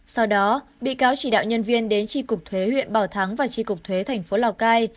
sau đó bị cáo chỉ đạo nhân viên đến tri cục thuế huyện bảo thắng và tri cục thuế thành phố lào cai